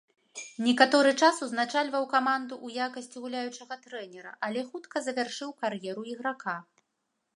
Некаторы час узначальваў каманду ў якасці гуляючага трэнера, але хутка завяршыў кар'еру іграка.